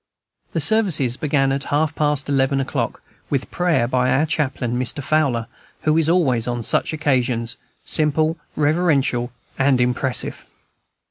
The services began at half past eleven o'clock, with prayer by our chaplain, Mr. Fowler, who is always, on such occasions, simple, reverential, and impressive.